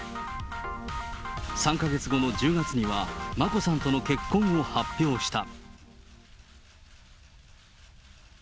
３か月後の１０月には、眞子さんとの結婚を発表した。